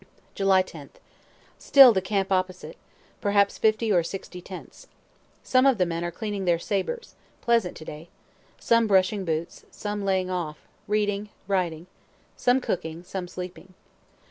July 10th. Still the camp opposite perhaps fifty or sixty tents. Some of the men are cleaning their sabres (pleasant to day,) some brushing boots, some laying off, reading, writing some cooking, some sleeping.